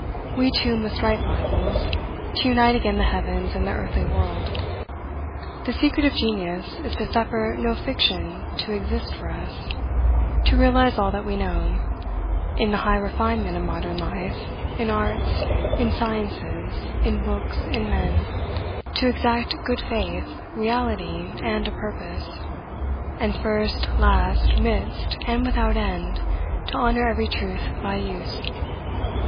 We too must write Bibles, to unite again the heavens and the earthly world. The secret of genius is to suffer no fiction to exist for us; to realize all that we know; in the high refinement of modern life, in arts, in sciences, in books, in men, to exact good faith, reality, and a purpose; and first, last, midst, and without end, to honor every truth by use.